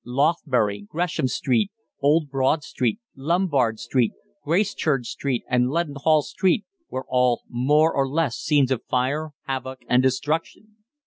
Lothbury, Gresham Street, Old Broad Street, Lombard Street, Gracechurch Street, and Leadenhall Street were all more or less scenes of fire, havoc, and destruction.